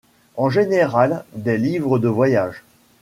En général, des livres de voyages.